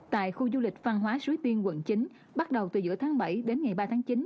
tại khu du lịch văn hóa suối tiên quận chín bắt đầu từ giữa tháng bảy đến ngày ba tháng chín